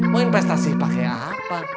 mau investasi pakai apa